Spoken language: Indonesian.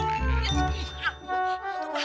tidak terima kasih papa